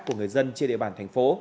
của người dân trên địa phương